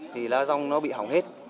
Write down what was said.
thì lá rong nó bị hỏng hết